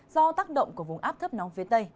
do tác động của vùng áp thấp nóng phía tây